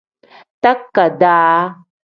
Takadaa.